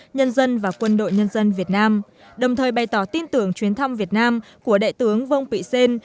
nhân dân và quân đội nhân dân việt nam đồng thời bày tỏ tin tưởng chuyến thăm việt nam của đại tướng vông pị xên